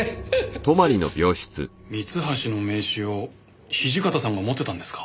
三橋の名刺を土方さんが持ってたんですか？